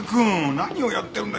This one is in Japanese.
何をやってるんだ。